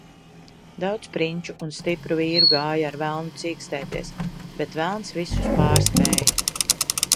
Daudz prinču un stipru vīru gāja ar velnu cīkstēties, bet velns visus pārspēja.